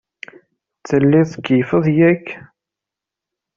Telliḍ tkeyyfeḍ, yak?